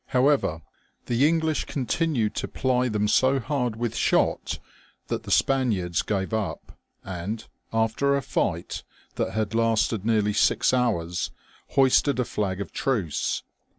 However, the English continued to ply them so hard with shot that the Spaniards gave up, and, after a fight that bad lasted nearly six hours, hoisted a fiag of truce.